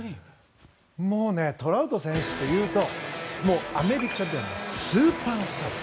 もうね、トラウト選手というとアメリカではスーパースター。